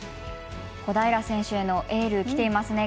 小平選手へのエールもきています。